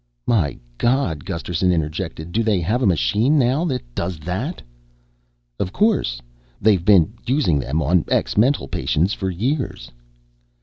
"My God," Gusterson interjected, "do they have a machine now that does that?" "Of course. They've been using them on ex mental patients for years."